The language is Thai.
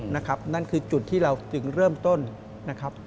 นั่นคือจุดที่เราจึงเริ่มต้นนะครับ